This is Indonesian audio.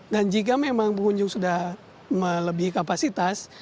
dan jika memang pengunjung sudah melebihi kapasitas